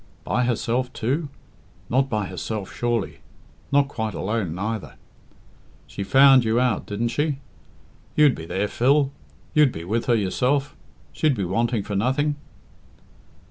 By herself, too? Not by herself, surely? Not quite alone neither? She found you out, didn't she? You'd be there, Phil? You'd be with her yourself? She'd be wanting for nothing?"